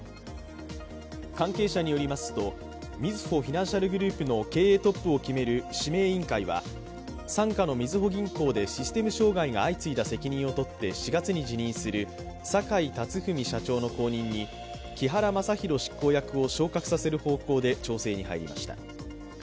関係者によりますとみずほフィナンシャルグループの経営トップを決める指名委員会は傘下のみずほ銀行でシステム障害が相次いだ責任を取って４月に辞任する坂井辰史社長の後任に木原正裕執行役を昇格させる方向で調整に入りました。